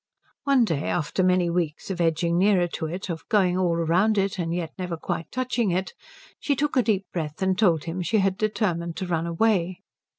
One day, after many weeks of edging nearer to it, of going all round it yet never quite touching it, she took a deep breath and told him she had determined to run away.